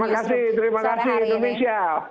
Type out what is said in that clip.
terima kasih terima kasih indonesia